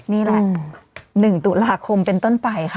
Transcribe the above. นี่แหละ๑ตุลาคมเป็นต้นไปค่ะ